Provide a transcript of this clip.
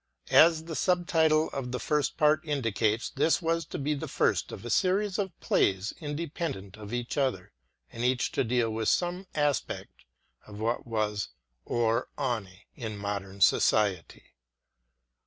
As the subtitle of the first part indicates this was to be the first of a series of plays independent of each other and each to deal with some aspect of what was "over aevne" in modem society.